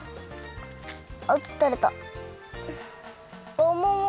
あっとれた。